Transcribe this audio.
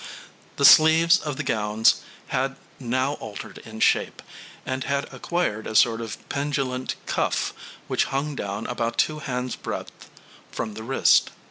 ] The sleeves of the gowns had now altered in shape, and had acquired a sort of pendulent cuff, which hung down about two hands' breadth from the wrist.